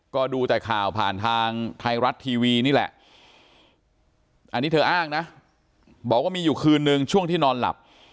ก็ดูแต่ข่าวผ่านทางไทยรัฐทีวีนี่แหละอันนี้เธออ้างนะบอกว่ามีอยู่คืนนึงช่วงที่นอนหลับ